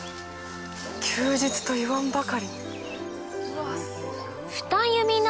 休日といわんばかりに。